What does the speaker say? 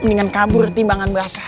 mendingan kabur timbangan basah